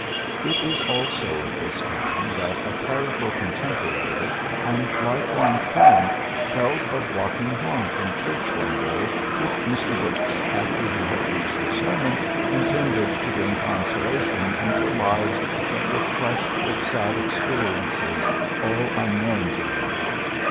It is also of this time that a clerical contemporary and lifelong friend tells of walking home from church one day with Mr. Brooks after he had preached a sermon intended to bring consolation into lives that were crushed with sad experiences all unknown to him.